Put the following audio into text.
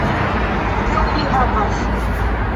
Kion ili havas